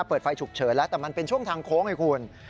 เปิดไฟฉุกเฉินแล้วแต่มันเป็นช่วงทางโค้งไอ้คุณ